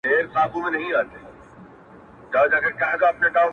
که خبر سول ځناور چې زه بندي يم